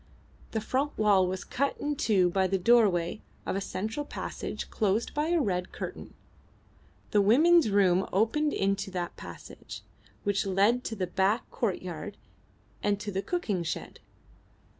The front wall was cut in two by the doorway of a central passage closed by a red curtain. The women's room opened into that passage, which led to the back courtyard and to the cooking shed.